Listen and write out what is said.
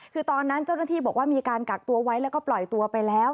คือตอนนั้นเจ้าหน้าที่บอกว่ามีการกักตัวไว้แล้วก็ปล่อยตัวไปแล้ว